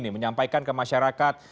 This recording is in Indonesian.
menyampaikan ke masyarakat